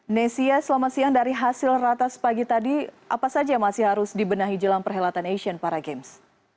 nesia selama siang dari hasil rata sepagi tadi apa saja masih harus dibenahi jelang perhelatan asian para games